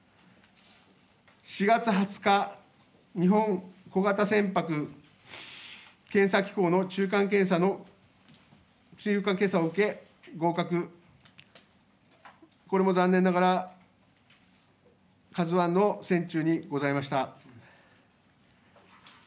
４月２０日、日本小型船舶検査機構の中間検査を受け合格、これも残念ながらＫＡＺＵＩの船中にございました。